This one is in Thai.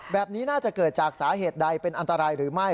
แบบนี้น่าจะเกิดจากสาเหตุใดเป็นอันตรายหรือไม่